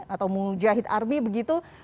atau mujahid army begitu